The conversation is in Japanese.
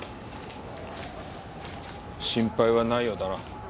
心配はないようだな。